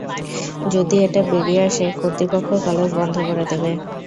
যদি এটা বেরিয়ে আসে, কর্তৃপক্ষ কলেজ বন্ধ করে দেবে।